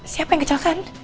siapa yang kejahatan